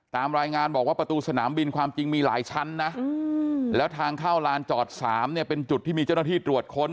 ตามรายงานบอกว่าประตูสนามบินความจริงมีหลายชั้นนะแล้วทางเข้าลานจอด๓เนี่ยเป็นจุดที่มีเจ้าหน้าที่ตรวจค้น